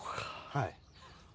はい。